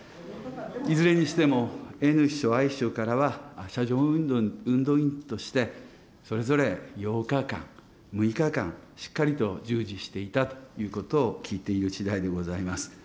いずれにしてもＮ秘書、Ｉ秘書からは車上運動員として、それぞれ８日間、６日間、しっかりとじゅうじしていたということをきいているしだいでございます。